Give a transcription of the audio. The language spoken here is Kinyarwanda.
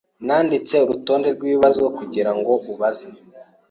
Nanditse urutonde rwibibazo kugirango ubaze .